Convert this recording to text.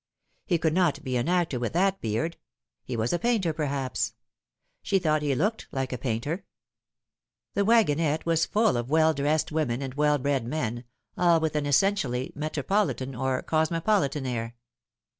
He could not be an actor with that beard. He was a painter, perhaps. She thought he looked like a painter. The wagonette was full of well dressed women and well bred, men, all with an essentially metropolitan or cosmopolitan air.